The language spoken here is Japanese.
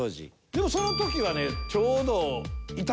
でもその時はねちょうど。